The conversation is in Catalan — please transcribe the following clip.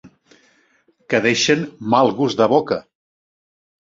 Que deixen mal gust de boca.